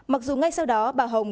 mặc dù ngay sau đó bà hồng